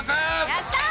やったー！